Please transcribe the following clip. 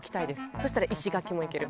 そしたら石垣も行ける。